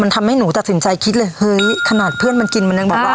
ตั้งตัดซึ่งมันตัดเบี้ยวอยู่เลยตอนนั้นอ่ะก็เลย